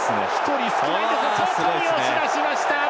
外に押し出しました！